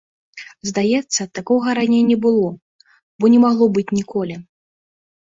Здаецца, такога раней не было, бо не магло быць ніколі.